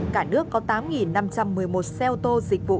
cả nước có tám năm trăm một mươi một xe ô tô dịch vụ